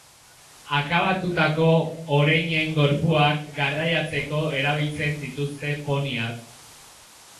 Akabatutako oreinen gorpuak garraiatzeko erabiltzen dituzte poniak.